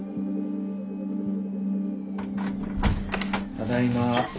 ただいま。